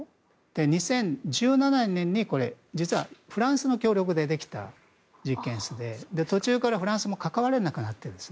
２０１７年にフランスの協力でできた実験室で途中からフランスも関われなくなっているんです。